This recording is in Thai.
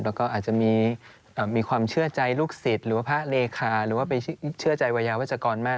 แล้วก็อาจจะมีความเชื่อใจลูกศิษย์หรือว่าพระเลขาหรือว่าไปเชื่อใจวัยยาวัชกรมาก